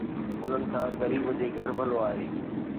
انهن کان غريب جي گهر ڀلو آهي